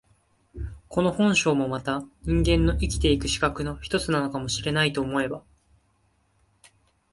この本性もまた人間の生きて行く資格の一つなのかも知れないと思えば、